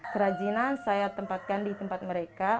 kerajinan saya tempatkan di tempat mereka